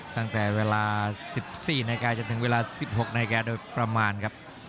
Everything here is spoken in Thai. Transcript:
ตั้งแต่เวลา๑๔นาฬิกาจนถึงเวลา๑๖นาฬิกาโดยประมาณครับ